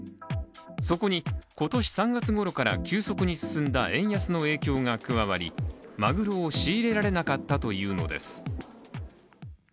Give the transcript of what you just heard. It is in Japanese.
そこに今年３月ごろから急速に進んだ円安の影響が加わり鮪を仕入れられなかったというのです。